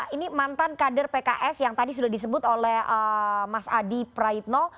ini mantan kader pks yang tadi sudah disebut oleh mas adi praitno